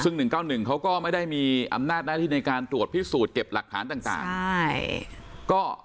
ซึ่งหนึ่งเก้าหนึ่งเขาก็ไม่ได้มีอำนาจหน้าที่ในการตรวจพิสูจน์เก็บหลักฐานต่างต่างใช่